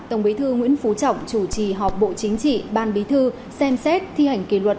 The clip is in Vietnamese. tổng bí thư nguyễn phú trọng chủ trì họp bộ chính trị ban bí thư xem xét thi hành kỷ luật